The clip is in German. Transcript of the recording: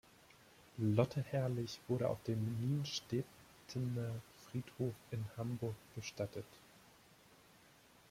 Lotte Herrlich wurde auf dem Nienstedtener Friedhof in Hamburg bestattet.